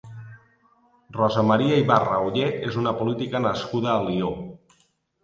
Rosa Maria Ibarra Ollé és una política nascuda a Alió.